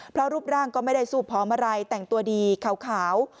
เพราะรูปร่างก็ไม่ได้สูบพร้อมอะไรแต่งตัวดีขาว